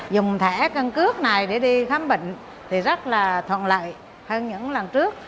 dùng thẻ căn cước này để đi khám bệnh thì rất là thuận lợi hơn những lần trước